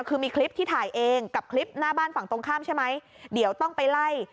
คือมีคลิปที่ถ่ายเองกับคลิปหน้าบ้านฝั่งตรงข้ามใช่ไหมเดี๋ยวต้องไปไล่